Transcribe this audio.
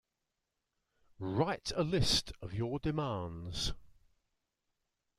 Write a list of your demands.